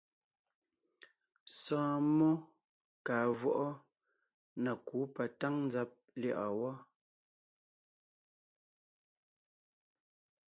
Sɔ̀ɔn mmó kàa vwɔʼɔ na kǔ patáŋ nzàb lyɛ̌ʼɔɔn wɔ́.